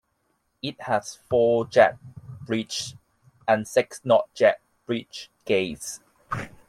It has four jet bridges and six non jet bridge gates.